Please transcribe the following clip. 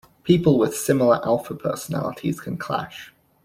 People with similar alpha personalities can clash.